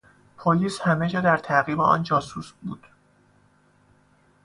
پلیس همهجا در تعقیب آن جاسوس بود.